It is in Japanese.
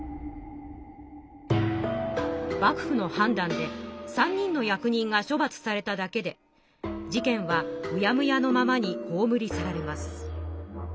幕府の判断で３人の役人が処罰されただけで事件はうやむやのままにほうむり去られます。